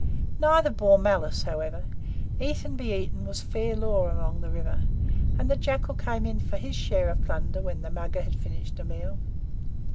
(Neither bore malice, however. Eat and be eaten was fair law along the river, and the Jackal came in for his share of plunder when the Mugger had finished a meal.)